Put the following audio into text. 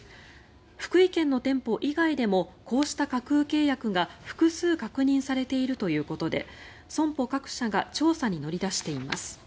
福井県の店舗以外でもこうした架空契約が複数確認されているということで損保各社が調査に乗り出しています。